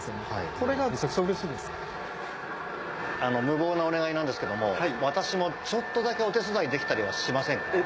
無謀なお願いなんですけども私もちょっとだけお手伝いできたりはしませんか？